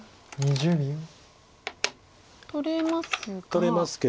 取れますが。